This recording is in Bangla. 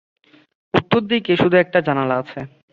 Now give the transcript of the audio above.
উত্তর দিকে শুধু একটা জানালা আছে।